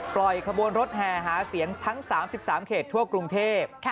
ปล่อยกระบวนรถแห่ฮาเสียงทั้ง๓๓เขตทั่วกรุงเทพฯ